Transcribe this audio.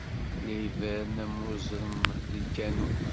La iberren am uẓṛem di lkanun.